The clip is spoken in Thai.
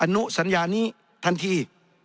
อนุสัญญานี้ทันที